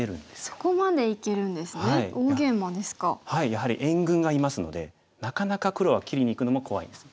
やはり援軍がいますのでなかなか黒は切りにいくのも怖いんです。